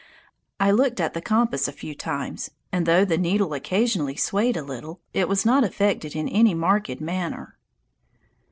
I looked at the compass a few times, and though the needle occasionally swayed a little, it was not affected in any marked manner.